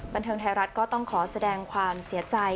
บันเทิงไทยรัฐก็ต้องขอแสดงความเสียใจ